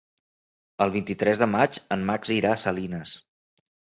El vint-i-tres de maig en Max irà a Salines.